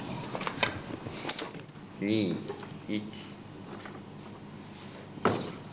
２１。